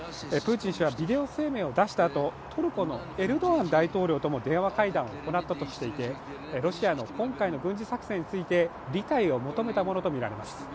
プーチン氏はビデオ声明を出した後、トルコのエルドアン大統領とも電話会談を行ったとしていてロシアの今回の軍事作戦について理解を求めたものとみられます。